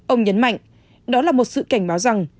ông nhấn mạnh đó là một sự cảnh báo rằng